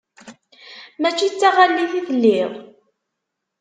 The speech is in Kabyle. Mačči d taɣallit i telliḍ?